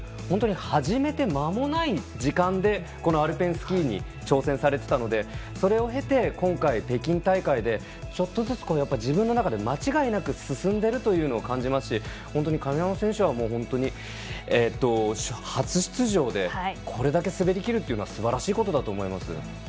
本当に始めて間もない時間でアルペンスキーに挑戦されていたのでそれを経て今回、北京大会でちょっとずつ自分の中で間違いなく進んでいるのを感じますし本当に神山選手は初出場でこれだけ滑りきるのはすばらしいことだと思います。